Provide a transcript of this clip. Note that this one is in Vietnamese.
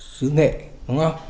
sứ nghệ đúng không